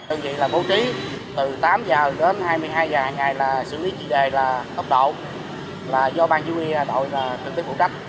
họ chỉ nghĩ là bố trí từ tám h đến hai mươi hai h hàng ngày là xử lý trị đề là tốc độ là do ban chỉ huy đội là thực tế phụ trách